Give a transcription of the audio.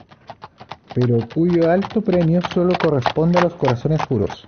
Pero cuyo alto premio solo corresponde a los corazones puros.